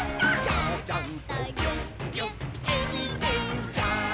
「ちゃちゃんとぎゅっぎゅっえびてんちゃん」